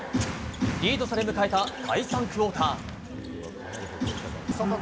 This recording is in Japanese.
リードされ迎えた第３クオーター。